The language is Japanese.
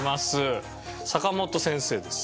坂本先生です。